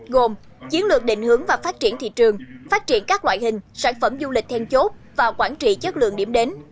gồm chiến lược định hướng và phát triển thị trường phát triển các loại hình sản phẩm du lịch then chốt và quản trị chất lượng điểm đến